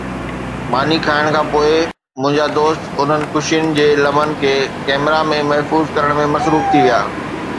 ماني کائڻ کان پوءِ منهنجا دوست انهن خوشين جي لمحن کي ڪئميرا ۾ محفوظ ڪرڻ ۾ مصروف ٿي ويا